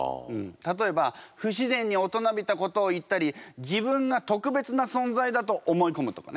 例えば不自然に大人びたことを言ったり自分が特別な存在だと思いこむとかね。